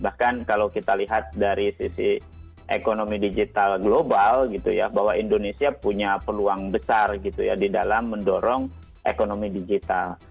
bahkan kalau kita lihat dari sisi ekonomi digital global gitu ya bahwa indonesia punya peluang besar gitu ya di dalam mendorong ekonomi digital